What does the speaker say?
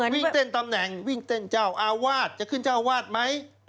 วิ่งเต้นตำแหน่งวิ่งเต้นเจ้าอาวาสจะขึ้นเจ้าวาดไหม